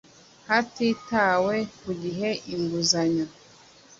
hatitawe ku gihe inguzanyo